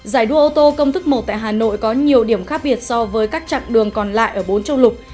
giải đua ô tô công thức một tại hà nội có nhiều điểm khác biệt so với các chặng đường còn lại ở bốn châu lục